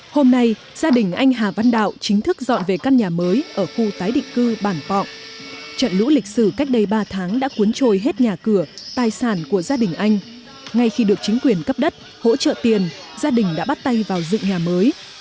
hôm nay gia đình anh hà văn đạo chính thức dọn về căn nhà mới ở khu tái định cư bản pọng trận lũ lịch sử cách đây ba tháng đã cuốn trôi hết nhà cửa tài sản của gia đình anh ngay khi được chính quyền cấp đất hỗ trợ tiền gia đình đã bắt tay vào dựng nhà mới